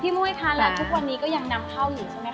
มุ้ยค่ะแล้วทุกวันนี้ก็ยังนำเข้าอยู่ใช่ไหมค